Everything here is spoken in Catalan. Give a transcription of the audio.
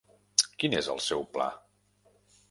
Quin és el seu pla?